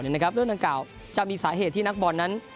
เรื่องต่างไปก็จะมีสาเหตุที่นักบอลนั้น